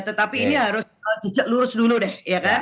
tetapi ini harus jejak lurus dulu deh